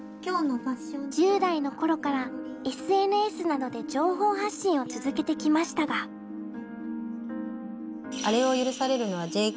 １０代の頃からＳＮＳなどで情報発信を続けてきましたが。って書いてる。